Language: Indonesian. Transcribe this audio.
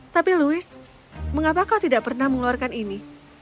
tapi louis mengapa kau tidak pernah mengeluarkan ini